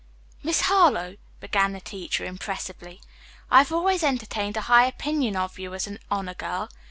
"Miss Harlowe," began the teacher impressively, "I have always entertained a high opinion of you as an honor girl.